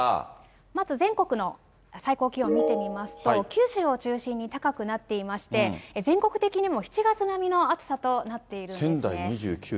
まず全国の最高気温、見てみますと、九州を中心に高くなっていまして、全国的にも７月並みの暑さとなっているんです。